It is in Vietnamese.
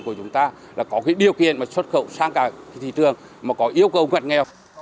của chúng ta có điều kiện xuất khẩu sang cả thị trường mà có yêu cầu ngận nghèo